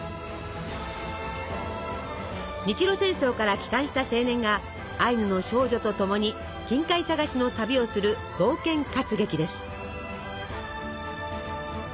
日露戦争から帰還した青年がアイヌの少女とともに金塊探しの旅をする冒険活劇です。